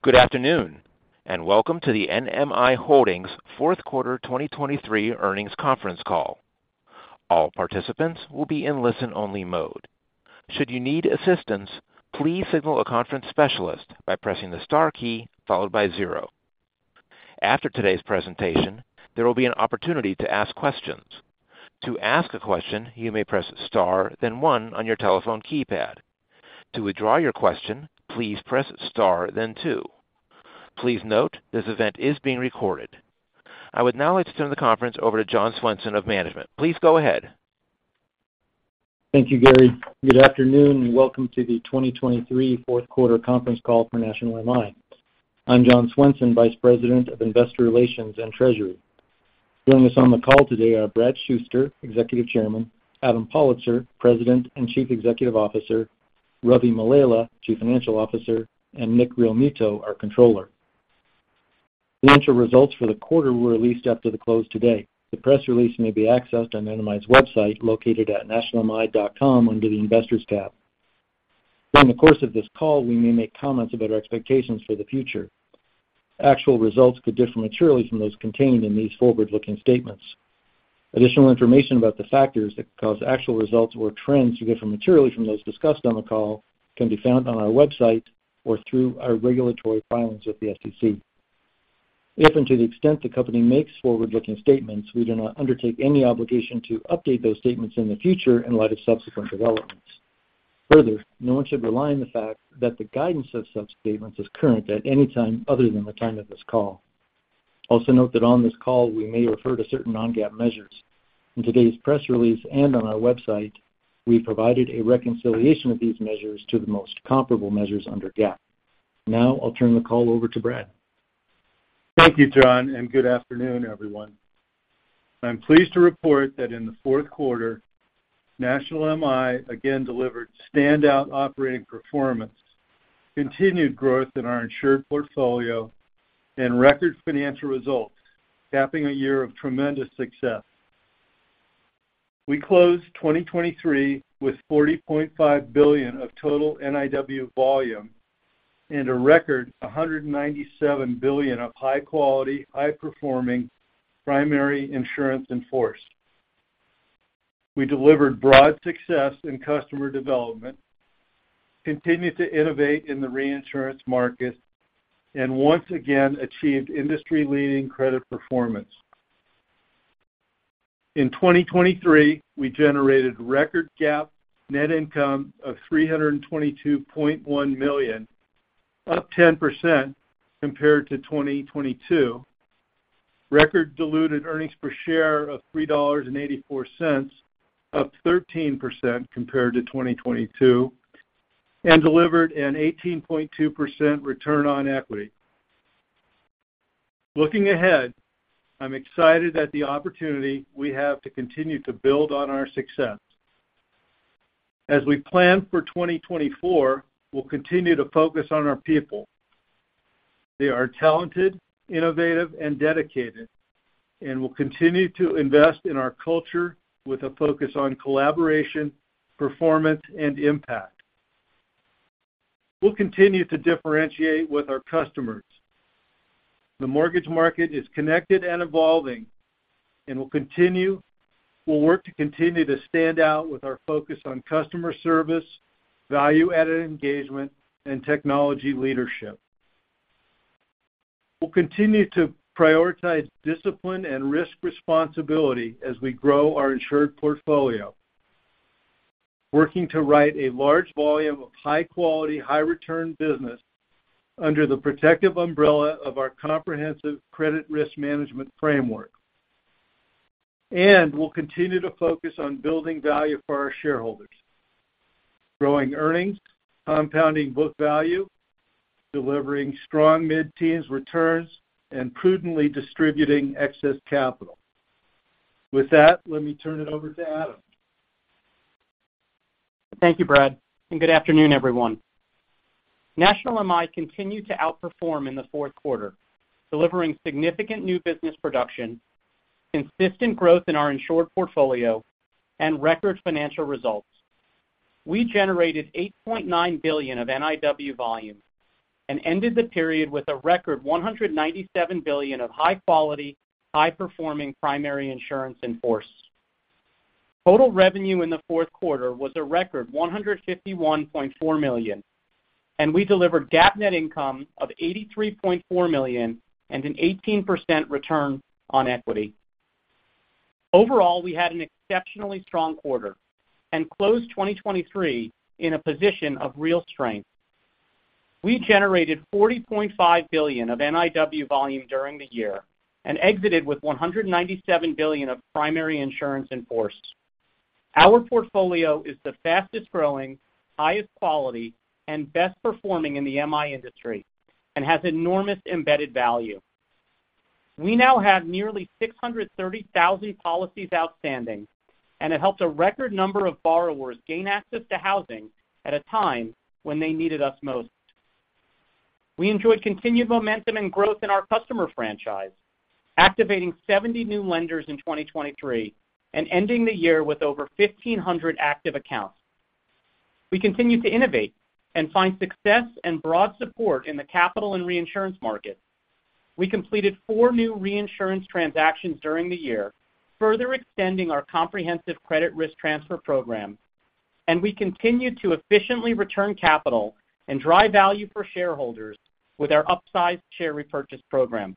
Good afternoon and welcome to the NMI Holdings Fourth Quarter 2023 Earnings Conference Call. All participants will be in listen-only mode. Should you need assistance, please signal a conference specialist by pressing the star key followed by zero. After today's presentation, there will be an opportunity to ask questions. To ask a question, you may press star then one on your telephone keypad. To withdraw your question, please press star then two. Please note this event is being recorded. I would now like to turn the conference over to John Swenson of management. Please go ahead. Thank you, Gary. Good afternoon and welcome to the 2023 fourth quarter conference call for National MI. I'm John Swenson, Vice President of Investor Relations and Treasury. Joining us on the call today are Brad Shuster, Executive Chairman, Adam Pollitzer, President and Chief Executive Officer, Ravi Mallela, Chief Financial Officer, and Nick Realmuto, our Controller. Financial results for the quarter were released after the close today. The press release may be accessed on NMI's website located at nationalmi.com under the Investors tab. During the course of this call, we may make comments about our expectations for the future. Actual results could differ materially from those contained in these forward-looking statements. Additional information about the factors that cause actual results or trends to differ materially from those discussed on the call can be found on our website or through our regulatory filings with the SEC. If and to the extent the company makes forward-looking statements, we do not undertake any obligation to update those statements in the future in light of subsequent developments. Further, no one should rely on the fact that the guidance of such statements is current at any time other than the time of this call. Also note that on this call we may refer to certain non-GAAP measures. In today's press release and on our website, we provided a reconciliation of these measures to the most comparable measures under GAAP. Now I'll turn the call over to Brad. Thank you, Jon, and good afternoon, everyone. I'm pleased to report that in the fourth quarter, National MI again delivered standout operating performance, continued growth in our insured portfolio, and record financial results, capping a year of tremendous success. We closed 2023 with $40.5 billion of total NIW volume and a record $197 billion of high-quality, high-performing primary insurance in force. We delivered broad success in customer development, continued to innovate in the reinsurance market, and once again achieved industry-leading credit performance. In 2023, we generated record GAAP net income of $322.1 million, up 10% compared to 2022, record diluted earnings per share of $3.84, up 13% compared to 2022, and delivered an 18.2% return on equity. Looking ahead, I'm excited at the opportunity we have to continue to build on our success. As we plan for 2024, we'll continue to focus on our people. They are talented, innovative, and dedicated, and we'll continue to invest in our culture with a focus on collaboration, performance, and impact. We'll continue to differentiate with our customers. The mortgage market is connected and evolving, and we'll work to continue to stand out with our focus on customer service, value-added engagement, and technology leadership. We'll continue to prioritize discipline and risk responsibility as we grow our insured portfolio, working to write a large volume of high-quality, high-return business under the protective umbrella of our comprehensive credit risk management framework. We'll continue to focus on building value for our shareholders, growing earnings, compounding book value, delivering strong mid-teens returns, and prudently distributing excess capital. With that, let me turn it over to Adam. Thank you, Brad, and good afternoon, everyone. National MI continued to outperform in the fourth quarter, delivering significant new business production, consistent growth in our insured portfolio, and record financial results. We generated $8.9 billion of NIW volume and ended the period with a record $197 billion of high-quality, high-performing primary insurance in force. Total revenue in the fourth quarter was a record $151.4 million, and we delivered GAAP net income of $83.4 million and an 18% return on equity. Overall, we had an exceptionally strong quarter and closed 2023 in a position of real strength. We generated $40.5 billion of NIW volume during the year and exited with $197 billion of primary insurance in force. Our portfolio is the fastest growing, highest quality, and best performing in the MI industry and has enormous embedded value. We now have nearly 630,000 policies outstanding, and it helped a record number of borrowers gain access to housing at a time when they needed us most. We enjoyed continued momentum and growth in our customer franchise, activating 70 new lenders in 2023 and ending the year with over 1,500 active accounts. We continue to innovate and find success and broad support in the capital and reinsurance market. We completed four new reinsurance transactions during the year, further extending our comprehensive credit risk transfer program, and we continue to efficiently return capital and drive value for shareholders with our upsized share repurchase program.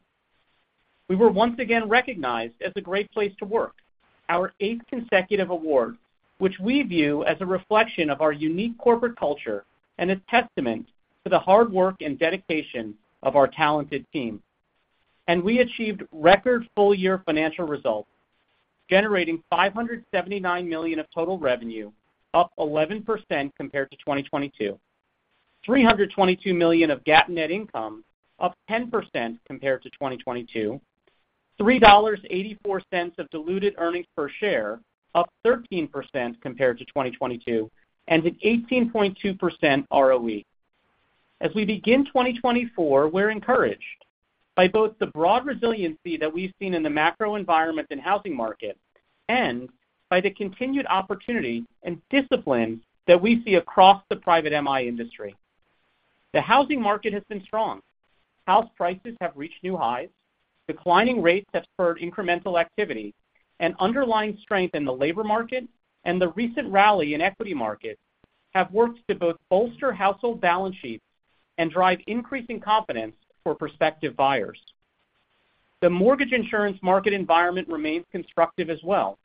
We were once again recognized as a Great Place to Work, our eighth consecutive award, which we view as a reflection of our unique corporate culture and a testament to the hard work and dedication of our talented team. And we achieved record full-year financial results, generating $579 million of total revenue, up 11% compared to 2022, $322 million of GAAP net income, up 10% compared to 2022, $3.84 of diluted earnings per share, up 13% compared to 2022, and an 18.2% ROE. As we begin 2024, we're encouraged by both the broad resiliency that we've seen in the macro environment and housing market and by the continued opportunity and discipline that we see across the private MI industry. The housing market has been strong. House prices have reached new highs. Declining rates have spurred incremental activity, and underlying strength in the labor market and the recent rally in equity markets have worked to both bolster household balance sheets and drive increasing confidence for prospective buyers. The mortgage insurance market environment remains constructive as well.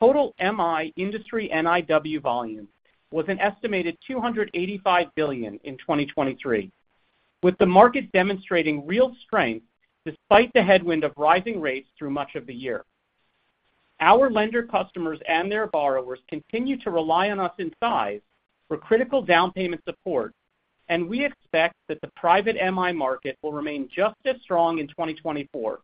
Total MI industry NIW volume was an estimated $285 billion in 2023, with the market demonstrating real strength despite the headwind of rising rates through much of the year. Our lender customers and their borrowers continue to rely on us in size for critical down payment support, and we expect that the private MI market will remain just as strong in 2024,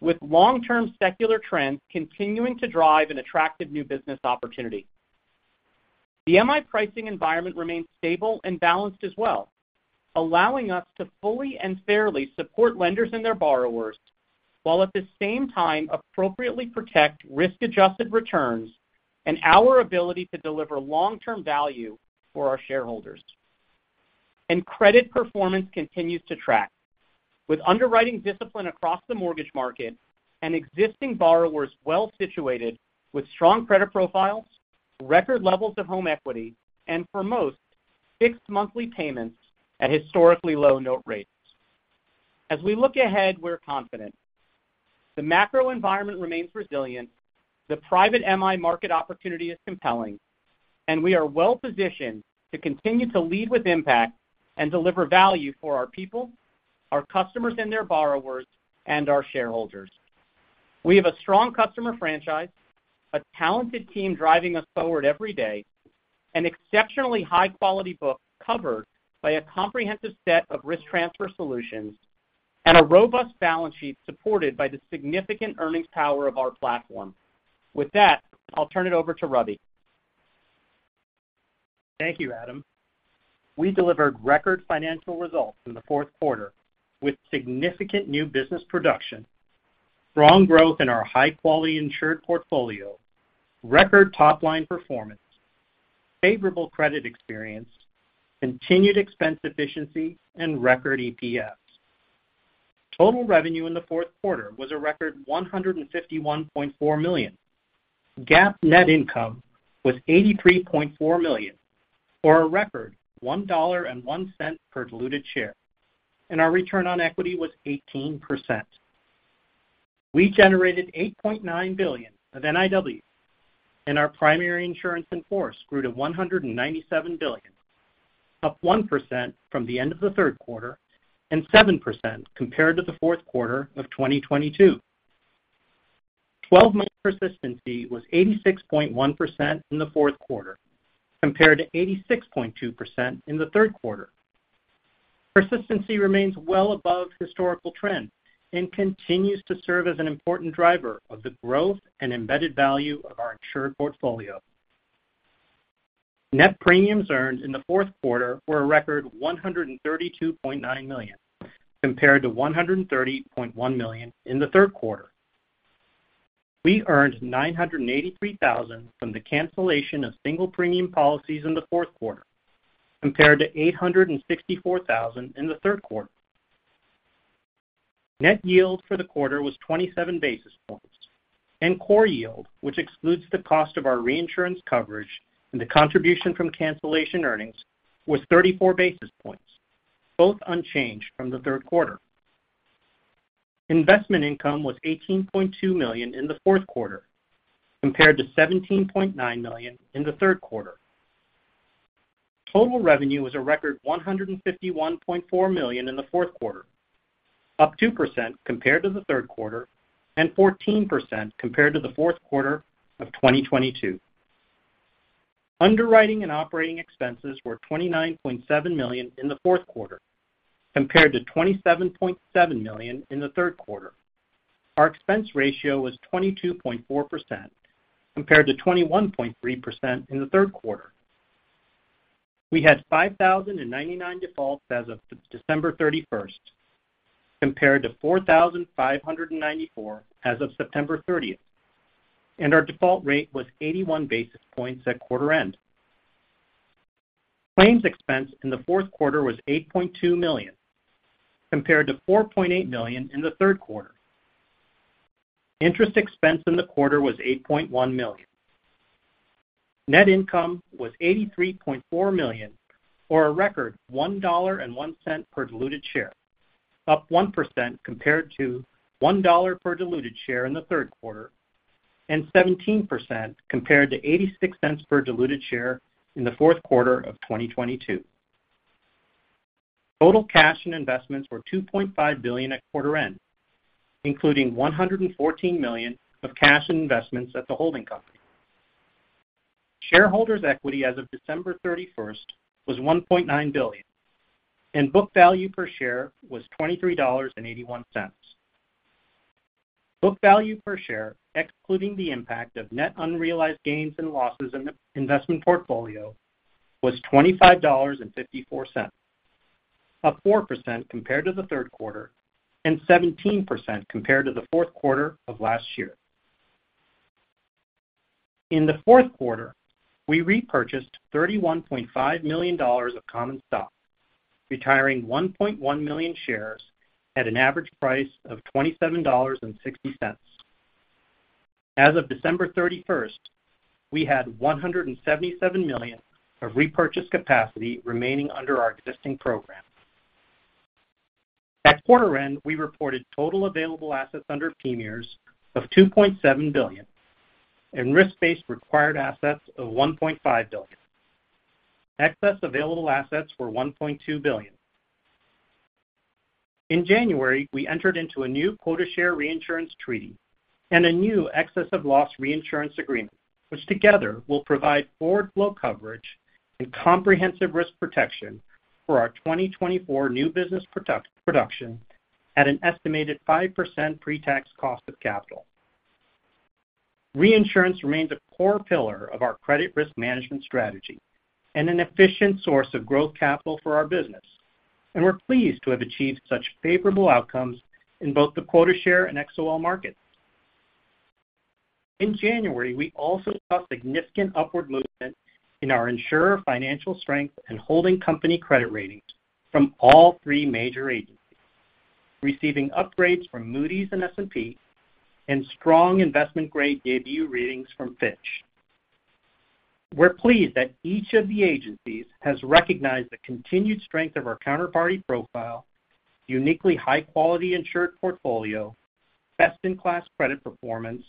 with long-term secular trends continuing to drive an attractive new business opportunity. The MI pricing environment remains stable and balanced as well, allowing us to fully and fairly support lenders and their borrowers while at the same time appropriately protect risk-adjusted returns and our ability to deliver long-term value for our shareholders. Credit performance continues to track, with underwriting discipline across the mortgage market and existing borrowers well situated with strong credit profiles, record levels of home equity, and for most, fixed monthly payments at historically low note rates. As we look ahead, we're confident. The macro environment remains resilient. The private MI market opportunity is compelling, and we are well positioned to continue to lead with impact and deliver value for our people, our customers and their borrowers, and our shareholders. We have a strong customer franchise, a talented team driving us forward every day, an exceptionally high-quality book covered by a comprehensive set of risk transfer solutions, and a robust balance sheet supported by the significant earnings power of our platform. With that, I'll turn it over to Ravi. Thank you, Adam. We delivered record financial results in the fourth quarter with significant new business production, strong growth in our high-quality insured portfolio, record top-line performance, favorable credit experience, continued expense efficiency, and record EPS. Total revenue in the fourth quarter was a record $151.4 million. GAAP net income was $83.4 million, or a record $1.01 per diluted share, and our return on equity was 18%. We generated $8.9 billion of NIW, and our primary insurance in force grew to $197 billion, up 1% from the end of the third quarter and 7% compared to the fourth quarter of 2022. 12-month persistency was 86.1% in the fourth quarter compared to 86.2% in the third quarter. Persistency remains well above historical trends and continues to serve as an important driver of the growth and embedded value of our insured portfolio. Net premiums earned in the fourth quarter were a record $132.9 million compared to $130.1 million in the third quarter. We earned $983,000 from the cancellation of single premium policies in the fourth quarter compared to $864,000 in the third quarter. Net yield for the quarter was 27 basis points, and core yield, which excludes the cost of our reinsurance coverage and the contribution from cancellation earnings, was 34 basis points, both unchanged from the third quarter. Investment income was $18.2 million in the fourth quarter compared to $17.9 million in the third quarter. Total revenue was a record $151.4 million in the fourth quarter, up 2% compared to the third quarter and 14% compared to the fourth quarter of 2022. Underwriting and operating expenses were $29.7 million in the fourth quarter compared to $27.7 million in the third quarter. Our expense ratio was 22.4% compared to 21.3% in the third quarter. We had 5,099 defaults as of December 31st compared to 4,594 as of September 30th, and our default rate was 81 basis points at quarter end. Claims expense in the fourth quarter was $8.2 million compared to $4.8 million in the third quarter. Interest expense in the quarter was $8.1 million. Net income was $83.4 million, or a record $1.01 per diluted share, up 1% compared to $1 per diluted share in the third quarter and 17% compared to $0.86 per diluted share in the fourth quarter of 2022. Total cash and investments were $2.5 billion at quarter end, including $114 million of cash and investments at the holding company. Shareholders' equity as of December 31st was $1.9 billion, and book value per share was $23.81. Book value per share, excluding the impact of net unrealized gains and losses in the investment portfolio, was $25.54, up 4% compared to the third quarter and 17% compared to the fourth quarter of last year. In the fourth quarter, we repurchased $31.5 million of common stock, retiring 1.1 million shares at an average price of $27.60. As of December 31st, we had $177 million of repurchase capacity remaining under our existing program. At quarter end, we reported total available assets under PMIERs of $2.7 billion and risk-based required assets of $1.5 billion. Excess available assets were $1.2 billion. In January, we entered into a new quota-share reinsurance treaty and a new excess-of-loss reinsurance agreement, which together will provide forward flow coverage and comprehensive risk protection for our 2024 new business production at an estimated 5% pre-tax cost of capital. Reinsurance remains a core pillar of our credit risk management strategy and an efficient source of growth capital for our business, and we're pleased to have achieved such favorable outcomes in both the quota-share and XOL markets. In January, we also saw significant upward movement in our insurer financial strength and holding company credit ratings from all three major agencies, receiving upgrades from Moody's and S&P and strong investment-grade BBB ratings from Fitch. We're pleased that each of the agencies has recognized the continued strength of our counterparty profile, uniquely high-quality insured portfolio, best-in-class credit performance,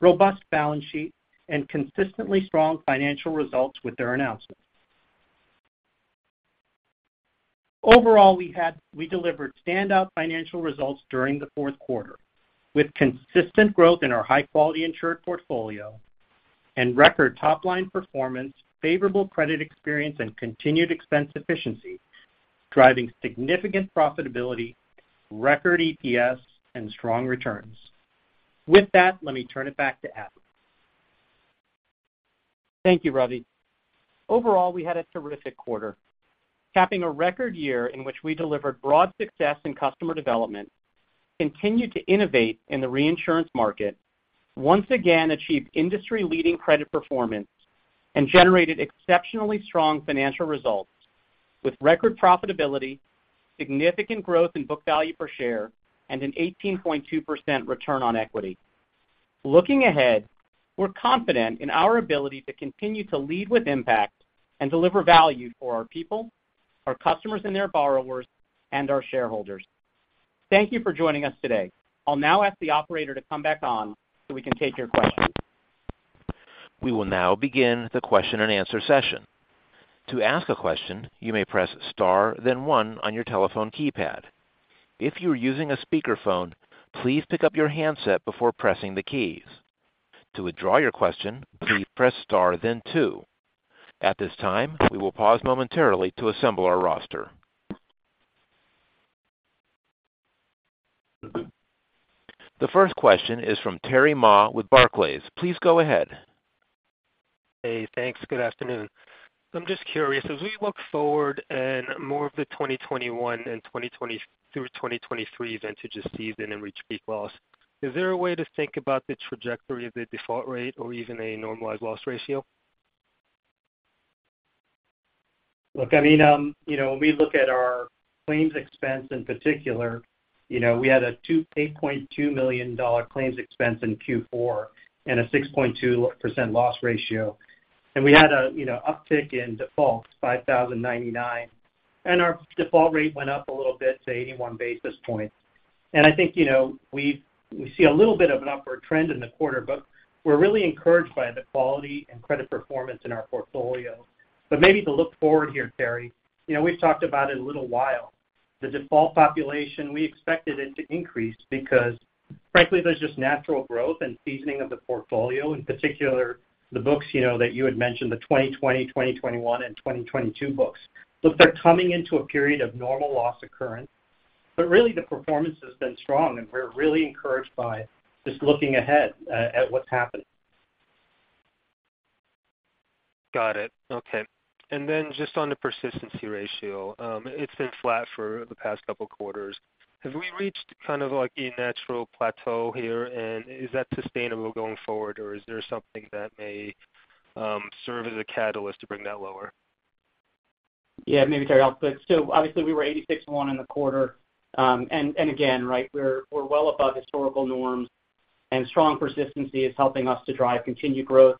robust balance sheet, and consistently strong financial results with their announcements. Overall, we delivered standout financial results during the fourth quarter, with consistent growth in our high-quality insured portfolio and record top-line performance, favorable credit experience, and continued expense efficiency driving significant profitability, record EPS, and strong returns. With that, let me turn it back to Adam. Thank you, Ravi. Overall, we had a terrific quarter, capping a record year in which we delivered broad success in customer development, continued to innovate in the reinsurance market, once again achieved industry-leading credit performance, and generated exceptionally strong financial results with record profitability, significant growth in book value per share, and an 18.2% return on equity. Looking ahead, we're confident in our ability to continue to lead with impact and deliver value for our people, our customers and their borrowers, and our shareholders. Thank you for joining us today. I'll now ask the operator to come back on so we can take your questions. We will now begin the question-and-answer session. To ask a question, you may press star then one on your telephone keypad. If you are using a speakerphone, please pick up your handset before pressing the keys. To withdraw your question, please press star then two. At this time, we will pause momentarily to assemble our roster. The first question is from Terry Ma with Barclays. Please go ahead. Hey, thanks. Good afternoon. I'm just curious, as we look forward and more of the 2021 and 2020 through 2023 vintage is seasoning and reach peak loss, is there a way to think about the trajectory of the default rate or even a normalized loss ratio? Look, I mean, you know, when we look at our claims expense in particular, you know, we had a $28.2 million claims expense in Q4 and a 6.2% loss ratio. And we had a, you know, uptick in defaults, 5,099, and our default rate went up a little bit to 81 basis points. And I think, you know, we see a little bit of an upward trend in the quarter, but we're really encouraged by the quality and credit performance in our portfolio. But maybe to look forward here, Terry, you know, we've talked about it a little while. The default population, we expected it to increase because, frankly, there's just natural growth and seasoning of the portfolio, in particular the books, you know, that you had mentioned, the 2020, 2021, and 2022 books. Look, they're coming into a period of normal loss occurrence, but really the performance has been strong, and we're really encouraged by just looking ahead, at what's happening. Got it. Okay. And then just on the persistency ratio, it's been flat for the past couple quarters. Have we reached kind of, like, a natural plateau here, and is that sustainable going forward, or is there something that may, serve as a catalyst to bring that lower? Yeah, maybe, Terry, I'll but so obviously we were 86.1% in the quarter. And again, right, we're well above historical norms, and strong persistency is helping us to drive continued growth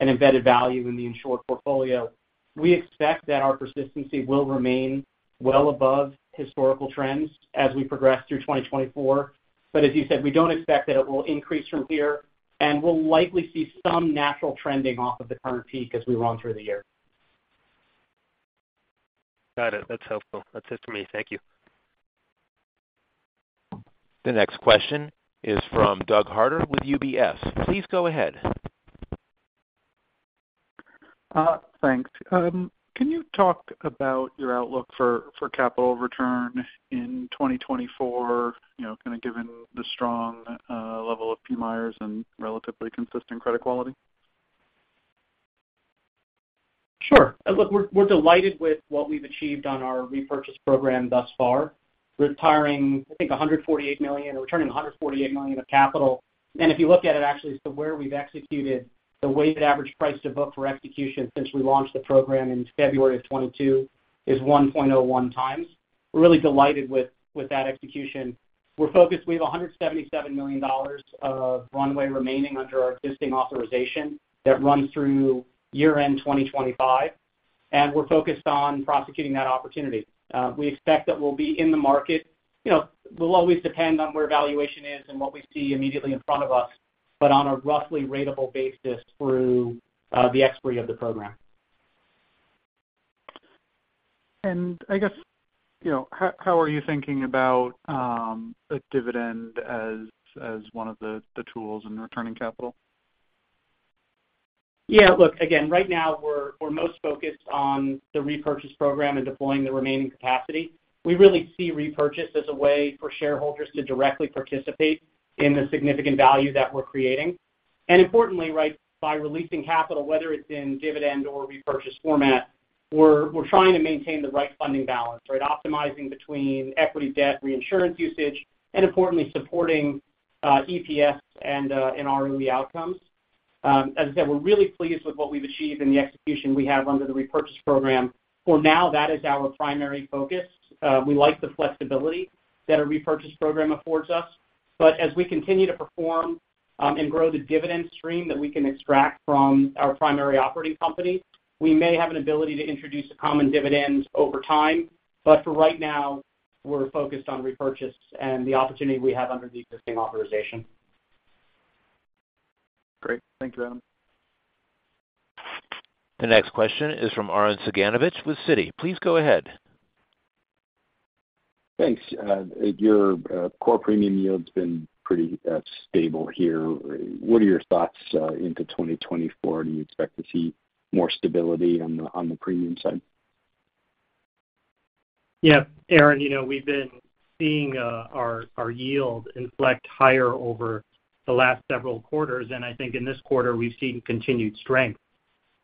and embedded value in the insured portfolio. We expect that our persistency will remain well above historical trends as we progress through 2024, but as you said, we don't expect that it will increase from here, and we'll likely see some natural trending off of the current peak as we run through the year. Got it. That's helpful. That's it for me. Thank you. The next question is from Doug Harter with UBS. Please go ahead. Thanks. Can you talk about your outlook for capital return in 2024, you know, kinda given the strong level of PMIERs and relatively consistent credit quality? Sure. Look, we're, we're delighted with what we've achieved on our repurchase program thus far. Retiring, I think, $148 million or returning $148 million of capital. And if you look at it, actually, so where we've executed, the weighted average price to book for execution since we launched the program in February of 2022 is 1.01x. We're really delighted with, with that execution. We're focused we have $177 million of runway remaining under our existing authorization that runs through year-end 2025, and we're focused on prosecuting that opportunity. We expect that we'll be in the market you know, we'll always depend on where valuation is and what we see immediately in front of us, but on a roughly ratable basis through, the expiry of the program. I guess, you know, how are you thinking about a dividend as, as one of the, the tools in returning capital? Yeah, look, again, right now we're most focused on the repurchase program and deploying the remaining capacity. We really see repurchase as a way for shareholders to directly participate in the significant value that we're creating. Importantly, right, by releasing capital, whether it's in dividend or repurchase format, we're trying to maintain the right funding balance, right, optimizing between equity, debt, reinsurance usage, and importantly, supporting EPS and ROE outcomes. As I said, we're really pleased with what we've achieved in the execution we have under the repurchase program. For now, that is our primary focus. We like the flexibility that our repurchase program affords us. But as we continue to perform, and grow the dividend stream that we can extract from our primary operating company, we may have an ability to introduce a common dividend over time, but for right now, we're focused on repurchase and the opportunity we have under the existing authorization. Great. Thank you, Adam. The next question is from Arren Cyganovich with Citi. Please go ahead. Thanks. Your core premium yield's been pretty stable here. What are your thoughts into 2024? Do you expect to see more stability on the premium side? Yeah. Arren, you know, we've been seeing our yield inflect higher over the last several quarters, and I think in this quarter, we've seen continued strength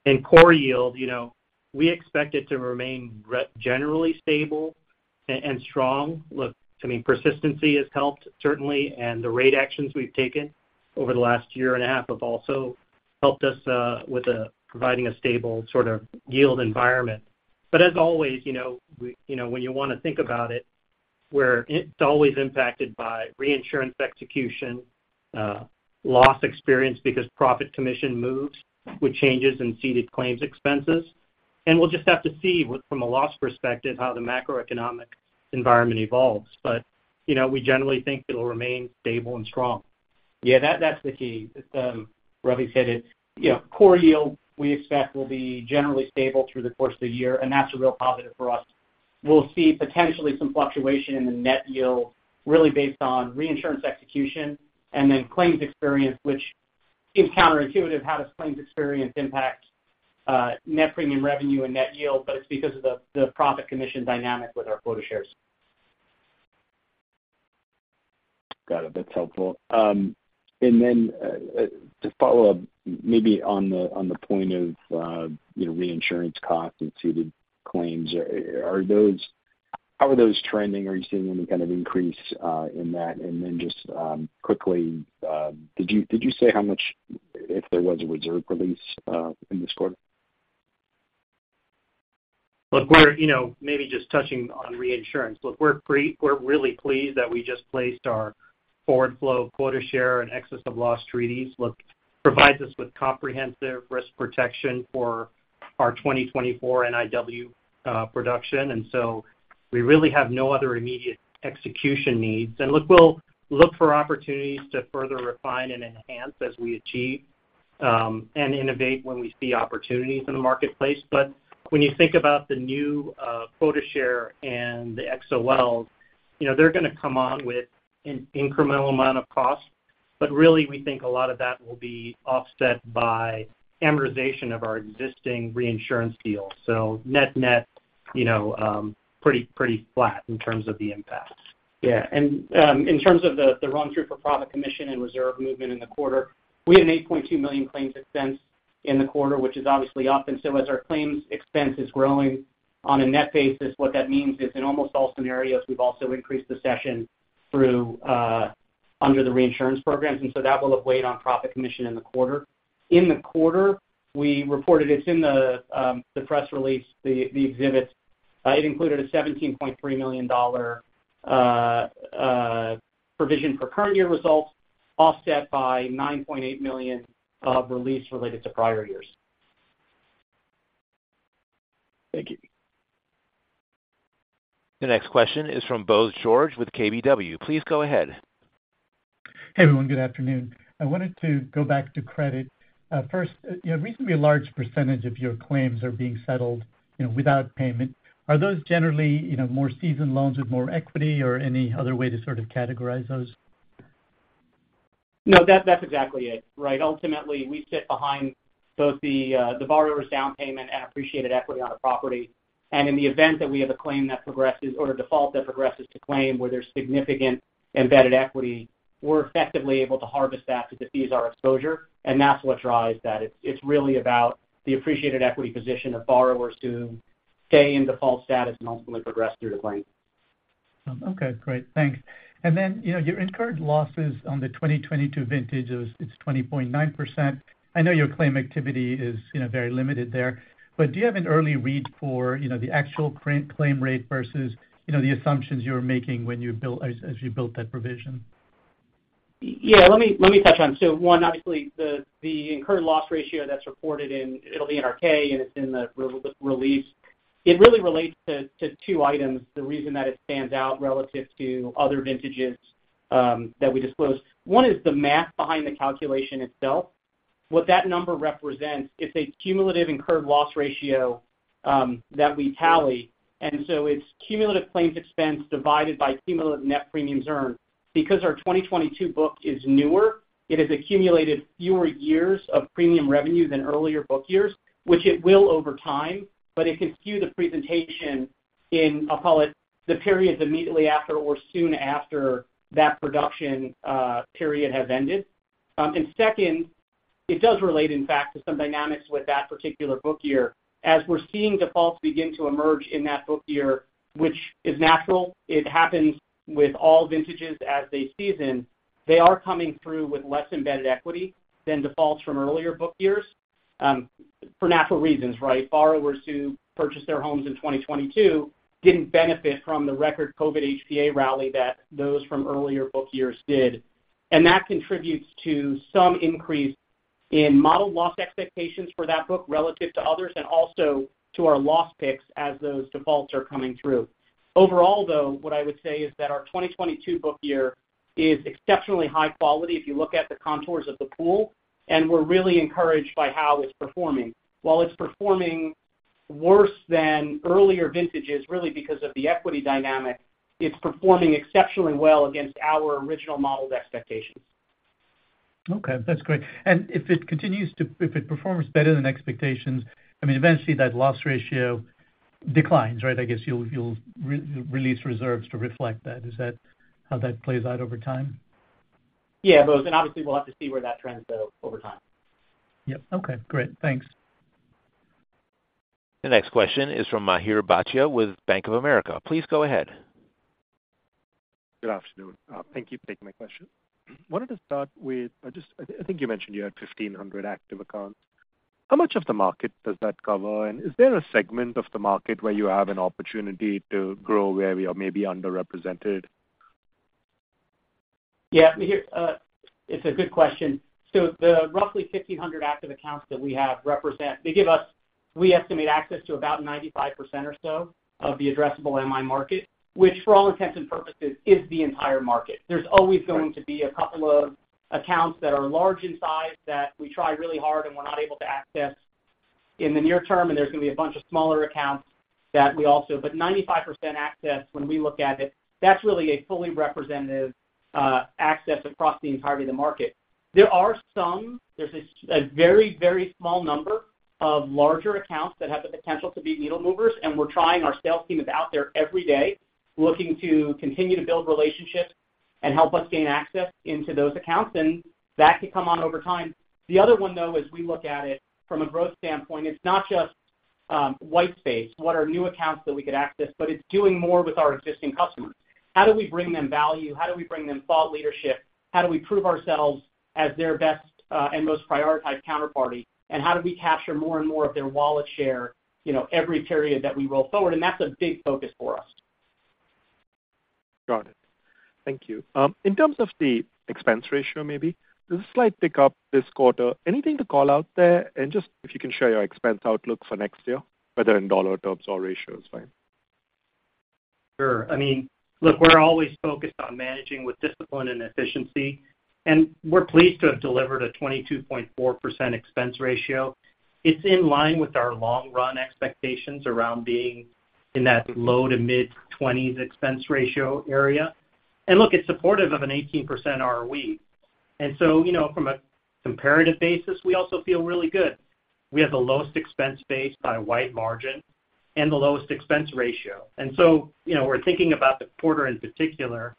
in core yield. You know, we expect it to remain generally stable and strong. Look, I mean, persistency has helped, certainly, and the rate actions we've taken over the last year and a half have also helped us with providing a stable sort of yield environment. But as always, you know, when you wanna think about it, it's always impacted by reinsurance execution, loss experience because profit commission moves with changes in ceded claims expenses. And we'll just have to see what from a loss perspective how the macroeconomic environment evolves, but, you know, we generally think it'll remain stable and strong. Yeah, that's the key. It's, Ravi's hit it. You know, core yield, we expect will be generally stable through the course of the year, and that's a real positive for us. We'll see potentially some fluctuation in the net yield, really based on reinsurance execution and then claims experience, which seems counterintuitive. How does claims experience impact, net premium revenue and net yield? But it's because of the, the profit commission dynamic with our quota shares. Got it. That's helpful. And then, to follow up, maybe on the point of, you know, reinsurance costs and ceded claims, are those trending? Are you seeing any kind of increase in that? And then just quickly, did you say how much, if there was a reserve release in this quarter? Look, we're, you know, maybe just touching on reinsurance. Look, we're really pleased that we just placed our forward flow quota share and excess-of-loss treaties. Look, it provides us with comprehensive risk protection for our 2024 NIW production, and so we really have no other immediate execution needs. Look, we'll look for opportunities to further refine and enhance as we achieve, and innovate when we see opportunities in the marketplace. But when you think about the new quota share and the XOLs, you know, they're gonna come on with an incremental amount of cost, but really, we think a lot of that will be offset by amortization of our existing reinsurance deals. So net-net, you know, pretty, pretty flat in terms of the impact. Yeah. In terms of the run-through for profit commission and reserve movement in the quarter, we had an $8.2 million claims expense in the quarter, which is obviously up. And so as our claims expense is growing on a net basis, what that means is in almost all scenarios, we've also increased the cession through under the reinsurance programs, and so that will have weighed on profit commission in the quarter. In the quarter, we reported. It's in the press release, the exhibits. It included a $17.3 million provision for current year results offset by $9.8 million of release related to prior years. Thank you. The next question is from Bose George with KBW. Please go ahead. Hey, everyone. Good afternoon. I wanted to go back to credit. First, you know, recently, a large percentage of your claims are being settled, you know, without payment. Are those generally, you know, more seasoned loans with more equity or any other way to sort of categorize those? No, that's exactly it, right? Ultimately, we sit behind both the borrower's down payment and appreciated equity on the property. In the event that we have a claim that progresses or a default that progresses to claim where there's significant embedded equity, we're effectively able to harvest that to defease our exposure, and that's what drives that. It's really about the appreciated equity position of borrowers to stay in default status and ultimately progress through the claim. Okay. Great. Thanks. And then, you know, your incurred losses on the 2022 vintage, it was, it's 20.9%. I know your claim activity is, you know, very limited there, but do you have an early read for, you know, the actual cra- claim rate versus, you know, the assumptions you were making when you built as, as you built that provision? Yeah. Let me touch on it. So one, obviously, the incurred loss ratio that's reported in it'll be in our K, and it's in the re-release. It really relates to two items, the reason that it stands out relative to other vintages that we disclosed. One is the math behind the calculation itself. What that number represents, it's a cumulative incurred loss ratio that we tally, and so it's cumulative claims expense divided by cumulative net premiums earned. Because our 2022 book is newer, it has accumulated fewer years of premium revenue than earlier book years, which it will over time, but it can skew the presentation in, I'll call it, the periods immediately after or soon after that production period has ended. And second, it does relate, in fact, to some dynamics with that particular book year. As we're seeing defaults begin to emerge in that book year, which is natural, it happens with all vintages as they season, they are coming through with less embedded equity than defaults from earlier book years, for natural reasons, right? Borrowers who purchased their homes in 2022 didn't benefit from the record COVID HPA rally that those from earlier book years did. That contributes to some increase in modeled loss expectations for that book relative to others and also to our loss picks as those defaults are coming through. Overall, though, what I would say is that our 2022 book year is exceptionally high quality if you look at the contours of the pool, and we're really encouraged by how it's performing. While it's performing worse than earlier vintages, really because of the equity dynamic, it's performing exceptionally well against our original modeled expectations. Okay. That's great. And if it performs better than expectations, I mean, eventually, that loss ratio declines, right? I guess you'll re-release reserves to reflect that. Is that how that plays out over time? Yeah, Bose. And obviously, we'll have to see where that trends, though, over time. Yep. Okay. Great. Thanks. The next question is from Mihir Bhatia with Bank of America. Please go ahead. Good afternoon. Thank you for taking my question. Wanted to start with, I just, I think you mentioned you had 1,500 active accounts. How much of the market does that cover, and is there a segment of the market where you have an opportunity to grow where we are maybe underrepresented? Yeah. Mihir, it's a good question. So the roughly 1,500 active accounts that we have represent they give us we estimate access to about 95% or so of the addressable MI market, which, for all intents and purposes, is the entire market. There's always going to be a couple of accounts that are large in size that we try really hard and we're not able to access in the near term, and there's gonna be a bunch of smaller accounts that we also but 95% access, when we look at it, that's really a fully representative, access across the entirety of the market. There are some. There's a very, very small number of larger accounts that have the potential to be needle movers, and we're trying. Our sales team is out there every day looking to continue to build relationships and help us gain access into those accounts, and that could come on over time. The other one, though, is we look at it from a growth standpoint. It's not just white space, what are new accounts that we could access, but it's doing more with our existing customers. How do we bring them value? How do we bring them thought leadership? How do we prove ourselves as their best and most prioritized counterparty? And how do we capture more and more of their wallet share, you know, every period that we roll forward? And that's a big focus for us. Got it. Thank you. In terms of the expense ratio, maybe, this is a slight pickup this quarter. Anything to call out there? Just if you can share your expense outlook for next year, whether in dollar terms or ratios, fine. Sure. I mean, look, we're always focused on managing with discipline and efficiency, and we're pleased to have delivered a 22.4% expense ratio. It's in line with our long-run expectations around being in that low- to mid-20s expense ratio area. And look, it's supportive of an 18% ROE. And so, you know, from a comparative basis, we also feel really good. We have the lowest expense base by a wide margin and the lowest expense ratio. And so, you know, we're thinking about the quarter in particular.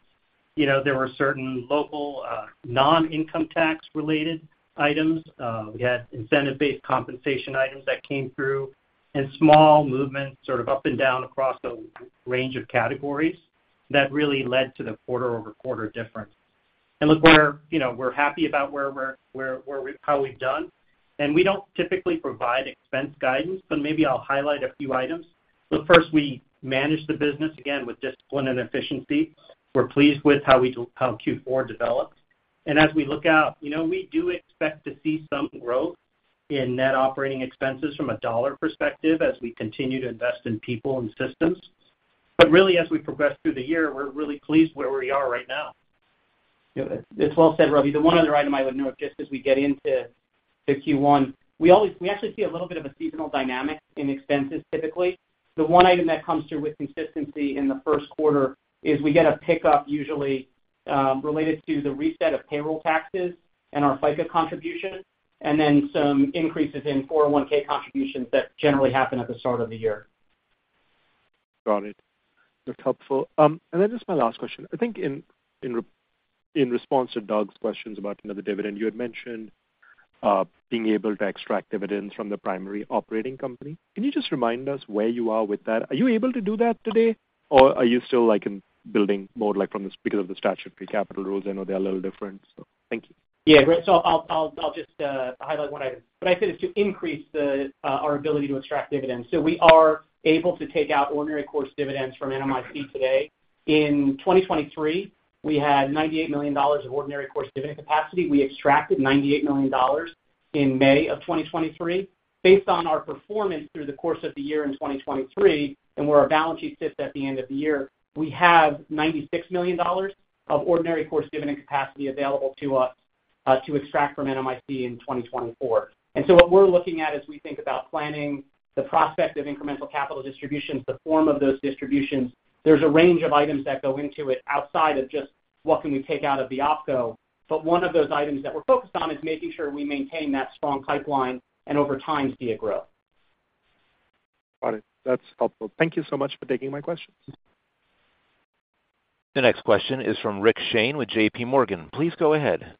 You know, there were certain local, non-income tax-related items. We had incentive-based compensation items that came through and small movements sort of up and down across the range of categories that really led to the quarter-over-quarter difference. And look, you know, we're happy about where we are, how we've done. We don't typically provide expense guidance, but maybe I'll highlight a few items. Look, first, we manage the business, again, with discipline and efficiency. We're pleased with how we did how Q4 developed. As we look out, you know, we do expect to see some growth in net operating expenses from a dollar perspective as we continue to invest in people and systems. But really, as we progress through the year, we're really pleased where we are right now. You know, it's well said, Ravi. The one other item I would note just as we get into the Q1, we actually see a little bit of a seasonal dynamic in expenses, typically. The one item that comes through with consistency in the first quarter is we get a pickup, usually, related to the reset of payroll taxes and our FICA contribution and then some increases in 401(k) contributions that generally happen at the start of the year. Got it. That's helpful. Then just my last question. I think in response to Doug's questions about, you know, the dividend, you had mentioned being able to extract dividends from the primary operating company. Can you just remind us where you are with that? Are you able to do that today, or are you still, like, in building more, like, because of the statute-free capital rules? I know they're a little different, so thank you. Yeah. Great. So I'll just highlight one item. What I said is to increase our ability to extract dividends. So we are able to take out ordinary course dividends from NMIC today. In 2023, we had $98 million of ordinary course dividend capacity. We extracted $98 million in May of 2023. Based on our performance through the course of the year in 2023 and where our balance sheet sits at the end of the year, we have $96 million of ordinary course dividend capacity available to us to extract from NMIC in 2024. And so what we're looking at as we think about planning the prospect of incremental capital distributions, the form of those distributions, there's a range of items that go into it outside of just what we can take out of the opco. One of those items that we're focused on is making sure we maintain that strong pipeline and over time see a growth. Got it. That's helpful. Thank you so much for taking my questions. The next question is from Rick Shane with JPMorgan. Please go ahead.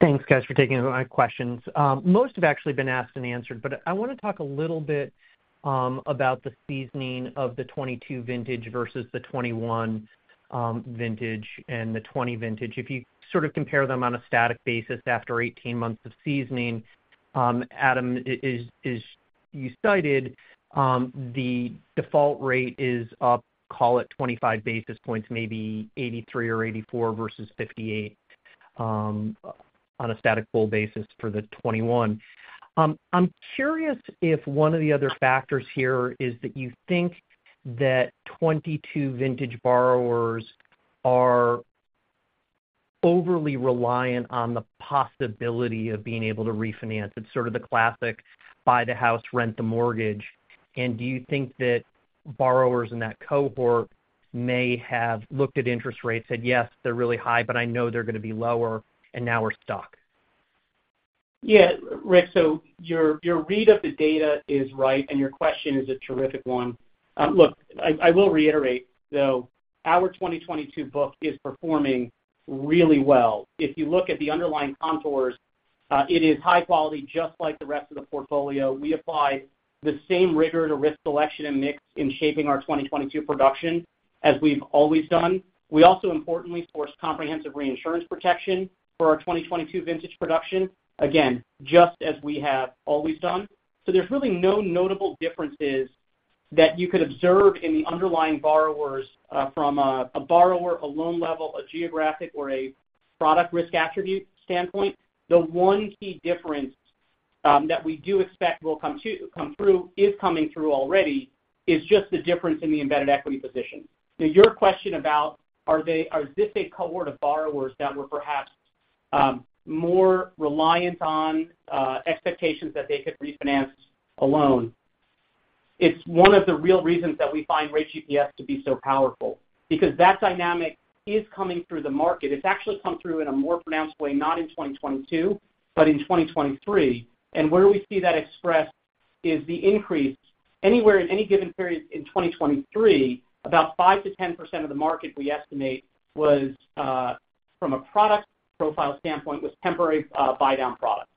Thanks, guys, for taking my questions. Most have actually been asked and answered, but I wanna talk a little bit about the seasoning of the 2022 vintage versus the 2021 vintage and the 2020 vintage. If you sort of compare them on a static basis after 18 months of seasoning, Adam, is, as you cited, the default rate is up, call it, 25 basis points, maybe 83 or 84 versus 58, on a static pool basis for the 2021. I'm curious if one of the other factors here is that you think that 2022 vintage borrowers are overly reliant on the possibility of being able to refinance. It's sort of the classic buy the house, rent the mortgage. And do you think that borrowers in that cohort may have looked at interest rates, said, "Yes, they're really high, but I know they're gonna be lower, and now we're stuck"? Yeah. Rick, so your, your read of the data is right, and your question is a terrific one. Look, I, I will reiterate, though. Our 2022 book is performing really well. If you look at the underlying contours, it is high quality just like the rest of the portfolio. We applied the same rigor to risk selection and mix in shaping our 2022 production as we've always done. We also, importantly, sourced comprehensive reinsurance protection for our 2022 vintage production, again, just as we have always done. So there's really no notable differences that you could observe in the underlying borrowers, from a, a borrower, a loan level, a geographic, or a product risk attribute standpoint. The one key difference, that we do expect will come to come through is coming through already is just the difference in the embedded equity position. Now, your question about are they are this a cohort of borrowers that were perhaps more reliant on expectations that they could refinance alone? It's one of the real reasons that we find Rate GPS to be so powerful because that dynamic is coming through the market. It's actually come through in a more pronounced way, not in 2022 but in 2023. And where we see that expressed is the increase anywhere in any given period in 2023, about 5%-10% of the market, we estimate, was from a product profile standpoint temporary buy-down products.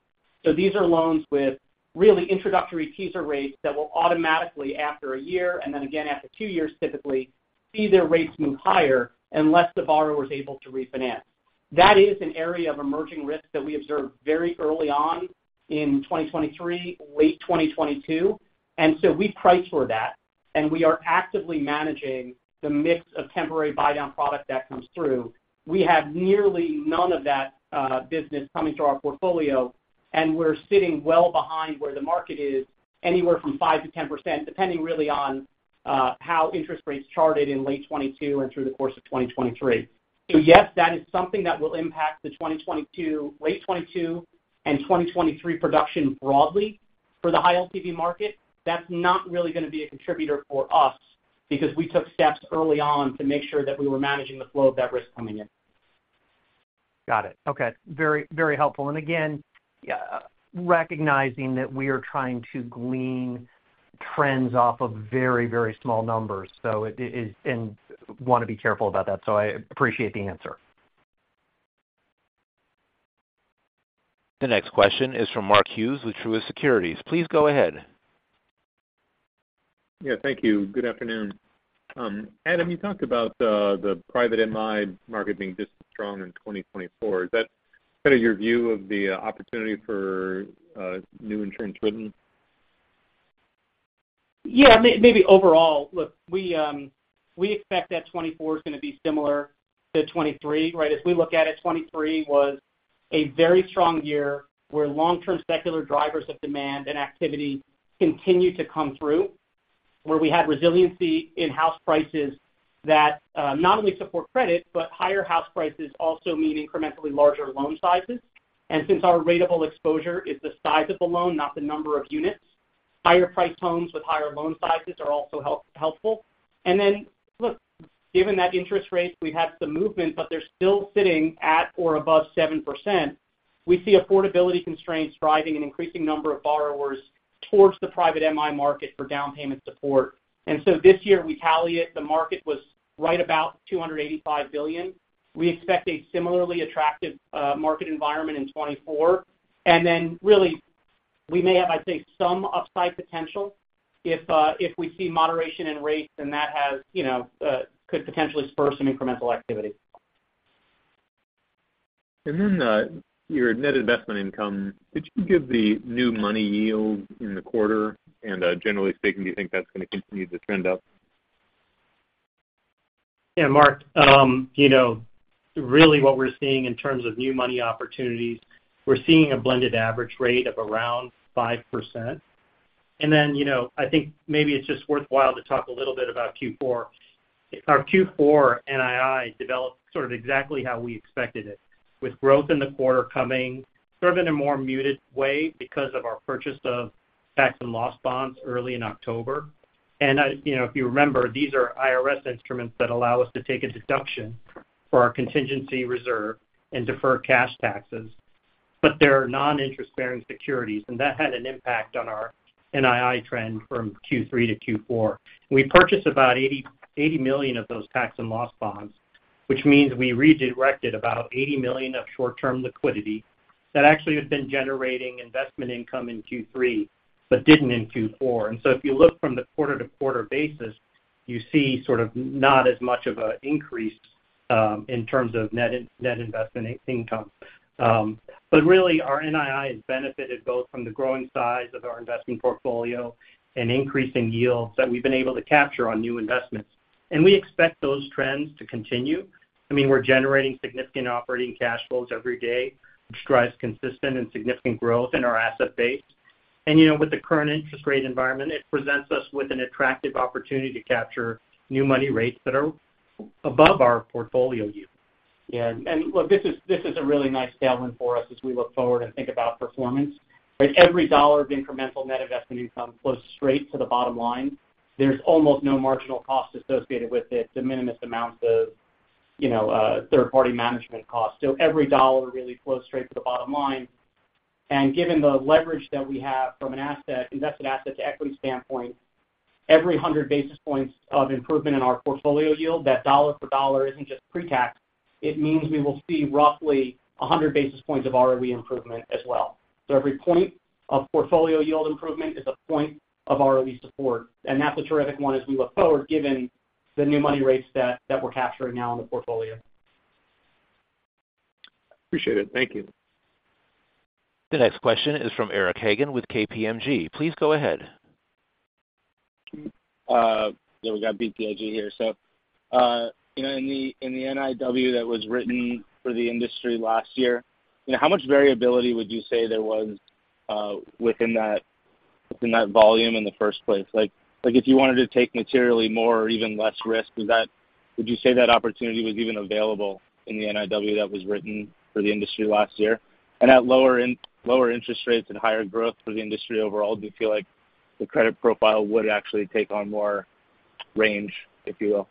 So these are loans with really introductory teaser rates that will automatically after a year and then again after two years, typically, see their rates move higher unless the borrower's able to refinance. That is an area of emerging risk that we observed very early on in 2023, late 2022. And so we price for that, and we are actively managing the mix of temporary buy-down product that comes through. We have nearly none of that business coming through our portfolio, and we're sitting well behind where the market is, anywhere from 5%-10%, depending really on how interest rates charted in late 2022 and through the course of 2023. So yes, that is something that will impact the 2022, late 2022, and 2023 production broadly for the high LTV market. That's not really gonna be a contributor for us because we took steps early on to make sure that we were managing the flow of that risk coming in. Got it. Okay. Very, very helpful. And again, yeah, recognizing that we are trying to glean trends off of very, very small numbers, so it is and wanna be careful about that. So I appreciate the answer. The next question is from Mark Hughes with Truist Securities. Please go ahead. Yeah. Thank you. Good afternoon. Adam, you talked about the private MI market being just as strong in 2024. Is that kinda your view of the opportunity for new insurance written? Yeah. Maybe overall, look, we expect that 2024's gonna be similar to 2023, right? As we look at it, 2023 was a very strong year where long-term secular drivers of demand and activity continue to come through, where we had resiliency in house prices that, not only support credit but higher house prices also mean incrementally larger loan sizes. And since our ratable exposure is the size of the loan, not the number of units, higher-priced homes with higher loan sizes are also helpful. And then, look, given that interest rate, we've had some movement, but they're still sitting at or above 7%. We see affordability constraints driving an increasing number of borrowers towards the private MI market for down payment support. And so this year, we tally it. The market was right about $285 billion. We expect a similarly attractive market environment in 2024. Then really, we may have, I'd say, some upside potential if we see moderation in rates, and that has, you know, could potentially spur some incremental activity. Your net investment income, could you give the new money yield in the quarter? Generally speaking, do you think that's gonna continue to trend up? Yeah. Mark, you know, really what we're seeing in terms of new money opportunities, we're seeing a blended average rate of around 5%. And then, you know, I think maybe it's just worthwhile to talk a little bit about Q4. Our Q4 NII developed sort of exactly how we expected it, with growth in the quarter coming sort of in a more muted way because of our purchase of tax and loss bonds early in October. And I, you know, if you remember, these are IRS instruments that allow us to take a deduction for our contingency reserve and defer cash taxes. But they're non-interest-bearing securities, and that had an impact on our NII trend from Q3 to Q4. We purchased about $80 million of those tax and loss bonds, which means we redirected about $80 million of short-term liquidity that actually had been generating investment income in Q3 but didn't in Q4. And so if you look from the quarter-to-quarter basis, you see sort of not as much of an increase, in terms of net investment income. But really, our NII has benefited both from the growing size of our investment portfolio and increasing yields that we've been able to capture on new investments. And we expect those trends to continue. I mean, we're generating significant operating cash flows every day, which drives consistent and significant growth in our asset base. And, you know, with the current interest rate environment, it presents us with an attractive opportunity to capture new money rates that are above our portfolio yield. Yeah. And look, this is a really nice tailwind for us as we look forward and think about performance, right? Every dollar of incremental net investment income flows straight to the bottom line. There's almost no marginal cost associated with it, the minimal amounts of, you know, third-party management cost. So every dollar really flows straight to the bottom line. And given the leverage that we have from an asset, invested asset to equity standpoint, every 100 basis points of improvement in our portfolio yield, that dollar-for-dollar isn't just pre-tax. It means we will see roughly 100 basis points of ROE improvement as well. So every point of portfolio yield improvement is a point of ROE support. And that's a terrific one as we look forward given the new money rates that we're capturing now in the portfolio. Appreciate it. Thank you. The next question is from Eric Hagen with BTIG. Please go ahead. Yeah. We got BTIG here. So, you know, in the NIW that was written for the industry last year, you know, how much variability would you say there was within that volume in the first place? Like, if you wanted to take materially more or even less risk, would you say that opportunity was even available in the NIW that was written for the industry last year? And at lower interest rates and higher growth for the industry overall, do you feel like the credit profile would actually take on more range, if you will?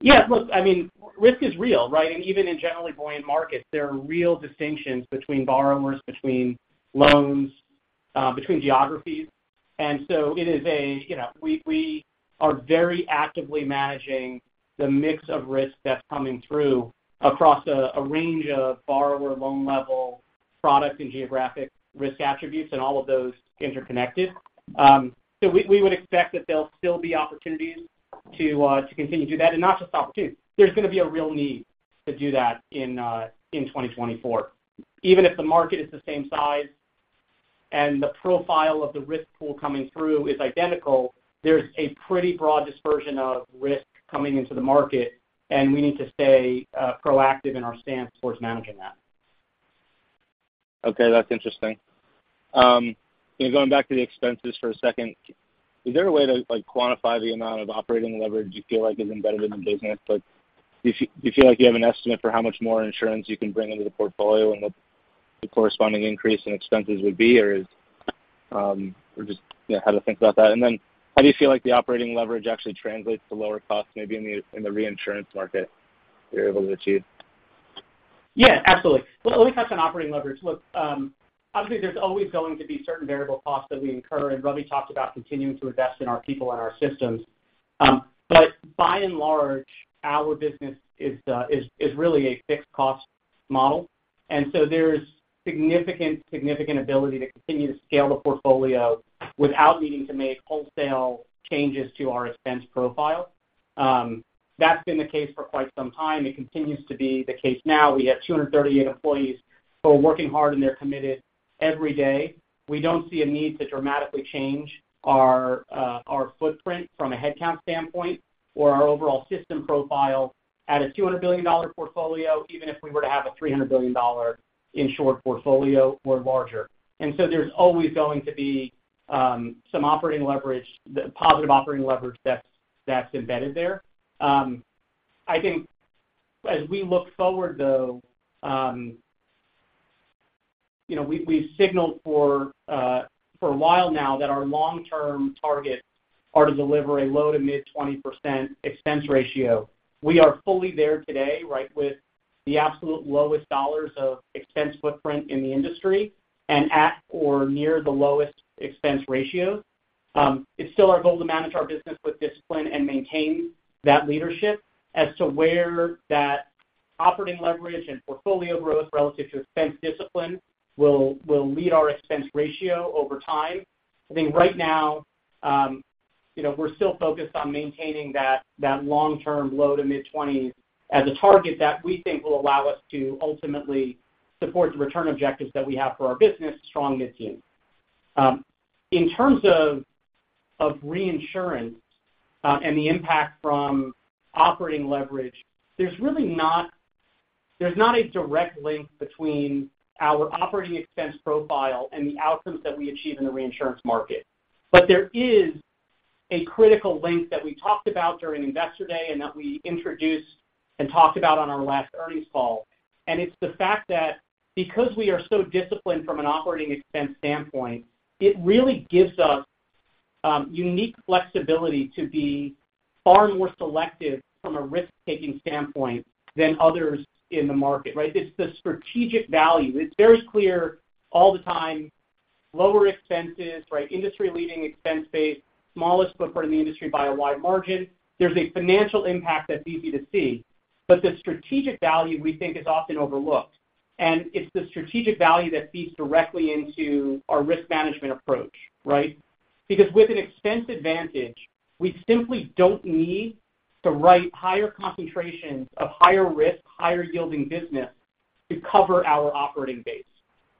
Yeah. Look, I mean, risk is real, right? And even in generally buoyant markets, there are real distinctions between borrowers, between loans, between geographies. And so it is, you know, we are very actively managing the mix of risk that's coming through across a range of borrower, loan-level, product, and geographic risk attributes and all of those interconnected. So we would expect that there'll still be opportunities to continue to do that and not just opportunities. There's gonna be a real need to do that in 2024. Even if the market is the same size and the profile of the risk pool coming through is identical, there's a pretty broad dispersion of risk coming into the market, and we need to stay proactive in our stance towards managing that. Okay. That's interesting. You know, going back to the expenses for a second, is there a way to, like, quantify the amount of operating leverage you feel like is embedded in the business? Like, do you feel like you have an estimate for how much more insurance you can bring into the portfolio and what the corresponding increase in expenses would be, or is, or just, you know, how to think about that? And then how do you feel like the operating leverage actually translates to lower costs, maybe in the reinsurance market you're able to achieve? Yeah. Absolutely. Well, let me touch on operating leverage. Look, obviously, there's always going to be certain variable costs that we incur. And Ravi talked about continuing to invest in our people and our systems. But by and large, our business is, is, is really a fixed-cost model. And so there's significant, significant ability to continue to scale the portfolio without needing to make wholesale changes to our expense profile. That's been the case for quite some time. It continues to be the case now. We have 238 employees who are working hard, and they're committed every day. We don't see a need to dramatically change our, our footprint from a headcount standpoint or our overall system profile at a $200 billion portfolio, even if we were to have a $300 billion insured portfolio or larger. So there's always going to be some operating leverage, the positive operating leverage that's embedded there. I think as we look forward, though, you know, we've signaled for a while now that our long-term targets are to deliver a low- to mid-20% expense ratio. We are fully there today, right, with the absolute lowest dollars of expense footprint in the industry and at or near the lowest expense ratios. It's still our goal to manage our business with discipline and maintain that leadership as to where that operating leverage and portfolio growth relative to expense discipline will lead our expense ratio over time. I think right now, you know, we're still focused on maintaining that long-term low- to mid-20s as a target that we think will allow us to ultimately support the return objectives that we have for our business. Strong mid-teens. In terms of reinsurance, and the impact from operating leverage, there's really not a direct link between our operating expense profile and the outcomes that we achieve in the reinsurance market. But there is a critical link that we talked about during Investor Day and that we introduced and talked about on our last earnings call. And it's the fact that because we are so disciplined from an operating expense standpoint, it really gives us unique flexibility to be far more selective from a risk-taking standpoint than others in the market, right? It's the strategic value. It's very clear all the time, lower expenses, right, industry-leading expense base, smallest footprint in the industry by a wide margin. There's a financial impact that's easy to see. But the strategic value, we think, is often overlooked. And it's the strategic value that feeds directly into our risk management approach, right? Because with an expense advantage, we simply don't need to write higher concentrations of higher-risk, higher-yielding business to cover our operating base.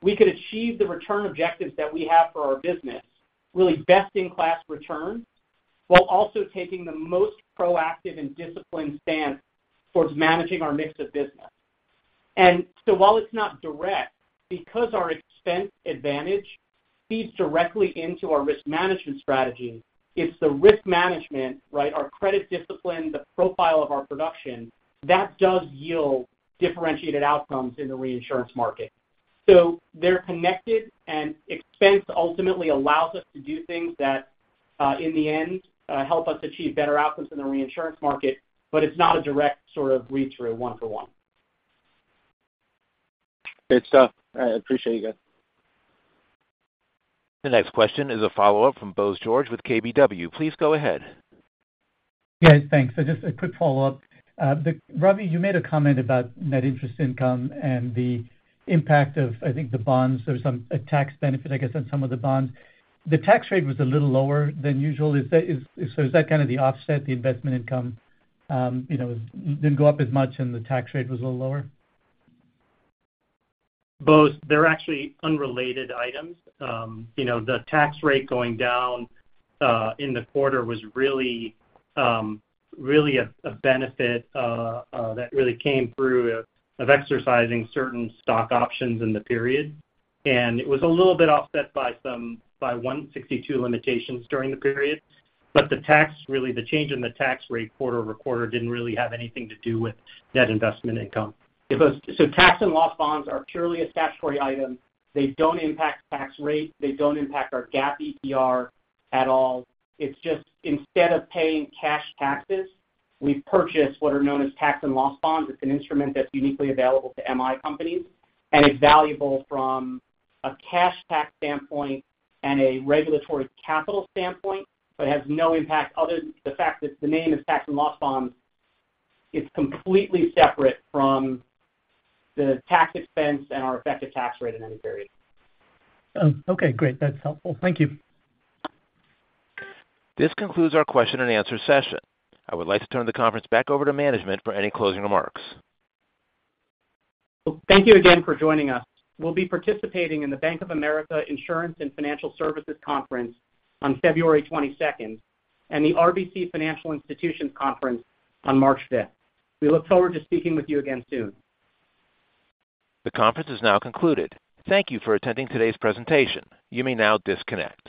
We could achieve the return objectives that we have for our business, really best-in-class returns while also taking the most proactive and disciplined stance towards managing our mix of business. And so while it's not direct, because our expense advantage feeds directly into our risk management strategy, it's the risk management, right, our credit discipline, the profile of our production that does yield differentiated outcomes in the reinsurance market. So they're connected, and expense ultimately allows us to do things that, in the end, help us achieve better outcomes in the reinsurance market, but it's not a direct sort of read-through one-for-one. Good stuff. I appreciate you guys. The next question is a follow-up from Bose George with KBW. Please go ahead. Yeah. Thanks. So just a quick follow-up. Ravi, you made a comment about net interest income and the impact of, I think, the bonds. There was a tax benefit, I guess, on some of the bonds. The tax rate was a little lower than usual. Is that kinda the offset, the investment income, you know, didn't go up as much, and the tax rate was a little lower? Both. They're actually unrelated items. You know, the tax rate going down in the quarter was really, really a benefit that really came through of exercising certain stock options in the period. And it was a little bit offset by some 162 limitations during the period. But the tax really, the change in the tax rate quarter-over-quarter didn't really have anything to do with net investment income. It was. So tax and loss bonds are purely a statutory item. They don't impact tax rate. They don't impact our GAAP EPS at all. It's just instead of paying cash taxes, we purchase what are known as tax and loss bonds. It's an instrument that's uniquely available to MI companies. It's valuable from a cash tax standpoint and a regulatory capital standpoint, but it has no impact other than the fact that the name is tax and loss bonds. It's completely separate from the tax expense and our effective tax rate in any period. Oh. Okay. Great. That's helpful. Thank you. This concludes our question-and-answer session. I would like to turn the conference back over to management for any closing remarks. Well, thank you again for joining us. We'll be participating in the Bank of America Insurance and Financial Services Conference on February 22nd and the RBC Financial Institutions Conference on March 5th. We look forward to speaking with you again soon. The conference is now concluded. Thank you for attending today's presentation. You may now disconnect.